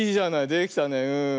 できたねうん。